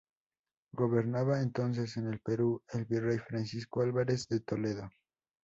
Gobernaba entonces en el Perú el Virrey Francisco Álvarez de Toledo.